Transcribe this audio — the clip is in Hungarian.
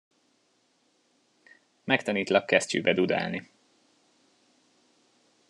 Megtanítlak kesztyűbe dudálni.